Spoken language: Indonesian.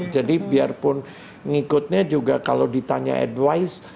jadi biarpun ngikutnya juga kalau ditanya advice